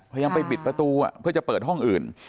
พยายามไปปิดประตูเพื่อจะเปิดห้องอื่น